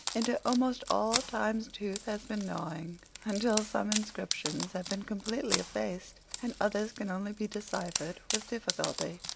Into almost all Time's tooth has been gnawing, until some inscriptions have been completely effaced, and others can only be deciphered with difficulty.